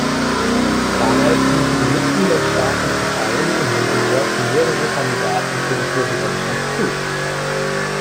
Damals ließen die mitgliederstarken Parteien in Honduras mehrere Kandidaten für die Präsidentschaft zu.